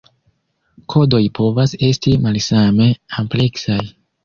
Kodoj povas esti malsame ampleksaj.